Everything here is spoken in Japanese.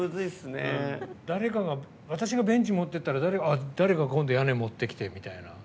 私がベンチ持ってったら誰かが屋根持ってきてみたいな。